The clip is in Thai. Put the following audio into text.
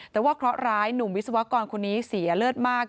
แต่ว่าเคราะห์ร้ายหนุ่มวิศวกรคนนี้เสียเลือดมาก